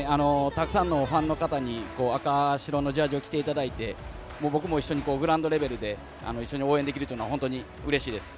たくさんのファンの方に赤、白のジャージーを着ていただいて僕も一緒にグラウンドレベルで応援できるのは本当にうれしいです。